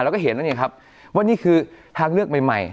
แล้วก็เห็นแล้วเนี่ยครับว่านี่คือทางเลือกใหม่